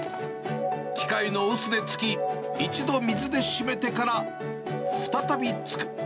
機械の臼でつき、一度水で締めてから、再びつく。